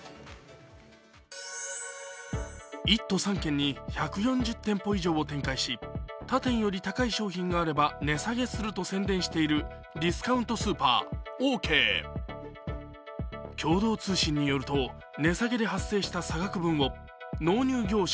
１都３県に１４０店舗以上を展開し、他店より高い商品があれば値下げすると宣伝しているディスカウントスーパー・オーケー共同通信によると値下げで発生した差額分を納入業者